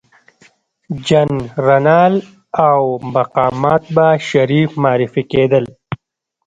جنرالان او مقامات به شریف معرفي کېدل.